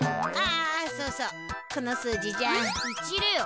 あそうそうこの数字じゃ。